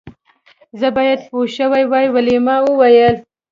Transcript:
زه باید پوه شوې وای ویلما وویل